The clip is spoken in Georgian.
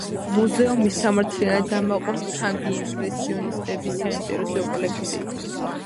მუზეუმი სამართლიანად ამაყობს ფრანგი იმპრესიონისტების საინტერესო კოლექციით.